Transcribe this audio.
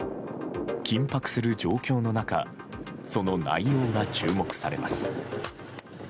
緊迫する状況の中その内容が注目されます。